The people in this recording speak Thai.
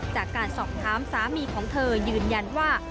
จากการสอบถามสามีของเธอยืนยันว่า